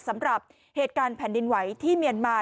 สำหรับเหตุการณ์แผ่นดินไหวที่เมียนมา